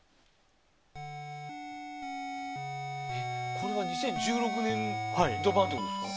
これは２０１６年度版ということですか？